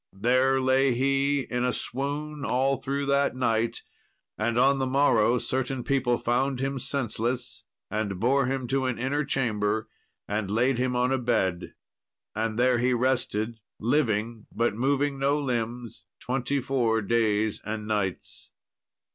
There lay he in a swoon all through that night, and on the morrow certain people found him senseless, and bore him to an inner chamber and laid him on a bed. And there he rested, living, but moving no limbs, twenty four days and nights.